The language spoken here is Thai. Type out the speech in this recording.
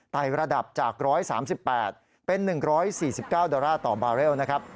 ไต่ระดับจาก๑๓๘เป็น๑๔๙ดอลลาร์ต่อบาร์เรลนะครับ